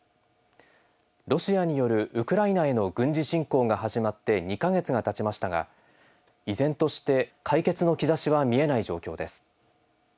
ロシアによるウクライナへの軍事侵攻が始まって２か月がたちましたが依然として解決の兆しは見えない状況です。